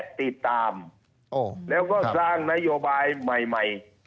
ติดตามแล้วก็สร้างนโยบายใหม่